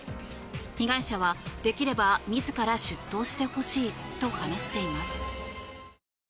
被害者はできれば自ら出頭してほしいと話しています。